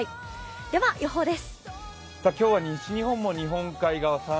では予報です。